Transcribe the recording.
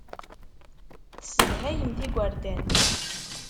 Tessedhayemt igerdan.